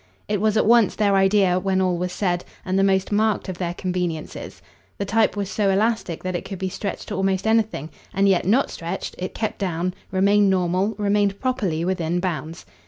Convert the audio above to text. It was at once their idea, when all was said, and the most marked of their conveniences. The type was so elastic that it could be stretched to almost anything; and yet, not stretched, it kept down, remained normal, remained properly within bounds.